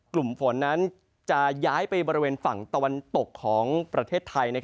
กลุ่มฝนนั้นจะย้ายไปบริเวณฝั่งตะวันตกของประเทศไทย